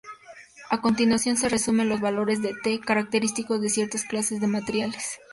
A continuación se resumen los valores de "T" característicos de ciertas clases de materiales.